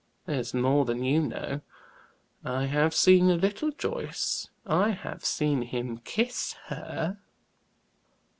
"That's more than you know. I have seen a little, Joyce; I have seen him kiss her."